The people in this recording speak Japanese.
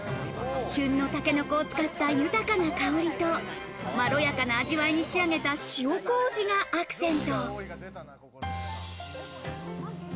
旬のたけのこを使った豊かな香りと、まろやかな味わいに仕上げた塩麹がアクセント。